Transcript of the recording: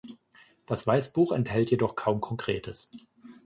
Das Weißbuch enthält jedoch kaum Konkretes.